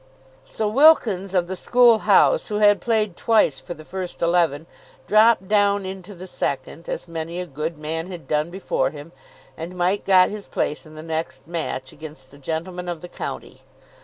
So Wilkins, of the School House, who had played twice for the first eleven, dropped down into the second, as many a good man had done before him, and Mike got his place in the next match, against the Gentlemen of the County.